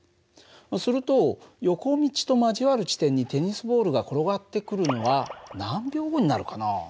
すると横道と交わる地点にテニスボールが転がってくるのは何秒後になるかな？